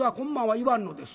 言わんのです。